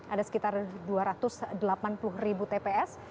ada sekitar dua ratus delapan puluh ribu tps